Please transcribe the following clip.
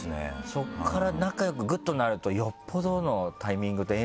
そこから仲良くグっとなるとよっぽどのタイミングと縁ですね。